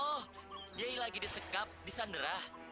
oh jadi lagi disekap di sandera